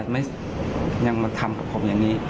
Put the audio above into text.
แต่เขายังทำกับผมอย่างนี้